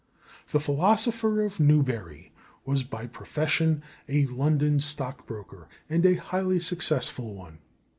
The "philosopher of Newbury" was by profession a London stockbroker, and a highly successful one.